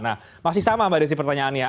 nah masih sama mbak desi pertanyaannya